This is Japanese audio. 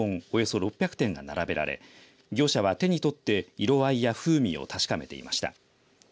およそ６００点が並べられ業者は手に取って、色合いや風味を確かめていました。